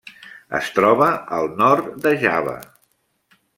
Es troba al nord de Java.